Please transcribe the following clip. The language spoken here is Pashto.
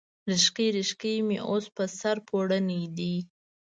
ریښکۍ، ریښکۍ مې اوس، په سر پوړني دی